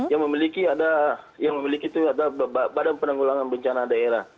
yang memiliki ada badan penanggulangan bencana daerah